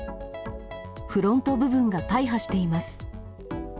フロント部分が大破しています。